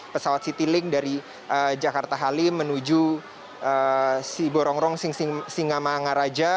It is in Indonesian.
pesawat citylink dari jakarta halim menuju borongrong singa maangaraja